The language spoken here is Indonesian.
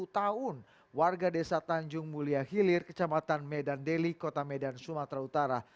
sepuluh tahun warga desa tanjung mulia hilir kecamatan medan deli kota medan sumatera utara